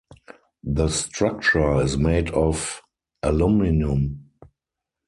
The structure is made of aluminum.